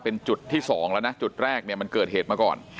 เป็นจุดที่๒แล้วนะจุดแรกเนี่ยมันเกิดเหตุมาก่อน